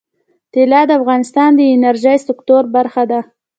طلا د افغانستان د انرژۍ سکتور برخه ده.